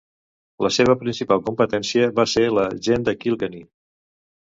La seva principal competència va ser la "Gent de Kilkenny".